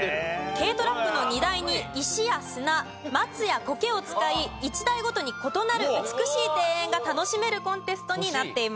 軽トラックの荷台に石や砂松やコケを使い１台ごとに異なる美しい庭園が楽しめるコンテストになっています。